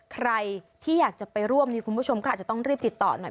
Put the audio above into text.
ใครที่อยากจะไปร่วมนี่คุณผู้ชมก็อาจจะต้องรีบติดต่อหน่อย